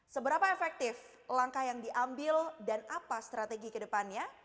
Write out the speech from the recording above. seberapa efektif langkah yang diambil dan apa strategi kedepannya